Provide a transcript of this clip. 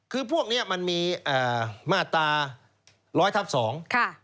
คือพวกนี้มันมีมาตรา๑๐๐ทับ๒ค่ะ